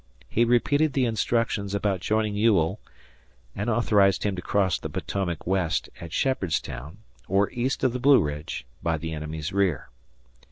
He repeated the instructions about joining Ewell and authorized him to cross the Potomac west, at Shepherdstown, or east of the Blue Ridge, by the enemy's rear.